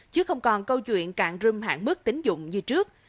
chứ không còn câu chuyện cạn râm hạng mức tính dụng như trước